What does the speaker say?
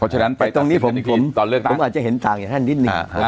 แต่ตรงนี้ผมอาจจะเห็นตังค่ะนิดนึง